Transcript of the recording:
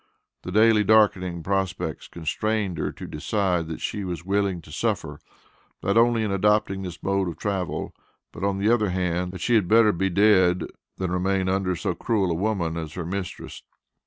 The daily darkening prospects constrained her to decide, that she was willing to suffer, not only in adopting this mode of travel, but on the other hand, that she had better be dead than remain under so cruel a woman as her mistress.